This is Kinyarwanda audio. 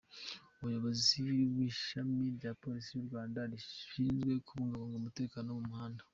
Umuyobozi w’Ishami rya Polisi y’u Rwanda rishinzwe kubungabunga umutekano wo mu muhanda.